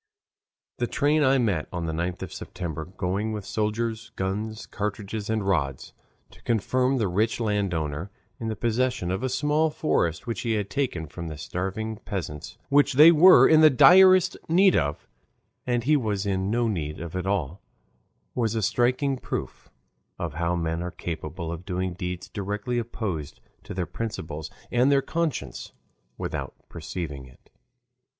The train I met on the 9th of September going with soldiers, guns, cartridges, and rods, to confirm the rich landowner in the possession of a small forest which he had taken from the starving peasants, which they were in the direst need of, and he was in no need of at all, was a striking proof of how men are capable of doing deeds directly opposed to their principles and their conscience without perceiving it.